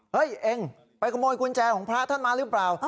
เองไปขโมยกุญแจของพระท่านมาหรือเปล่า